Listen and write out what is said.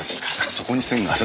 そこに線があるんだ。